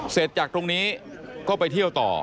เสร็จจากตรงนี้ก็ไปเที่ยวต่อ